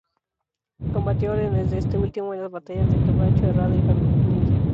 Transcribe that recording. Combatió a órdenes de este último en las batallas de Quebracho Herrado y Famaillá.